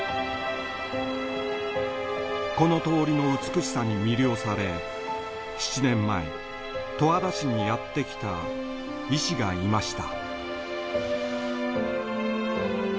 この通りの美しさに魅了され７年前十和田市にやってきた医師がいました。